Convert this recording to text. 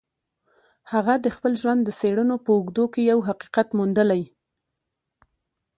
هغه د خپل ژوند د څېړنو په اوږدو کې يو حقيقت موندلی.